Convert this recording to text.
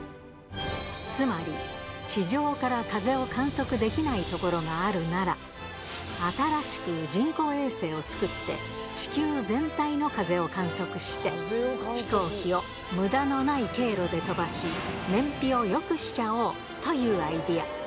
つまり地上から風を観測できないところがあるなら、新しく人工衛星を作って、地球全体の風を観測して、飛行機をむだのない経路で飛ばし、燃費をよくしちゃおうというアイデア。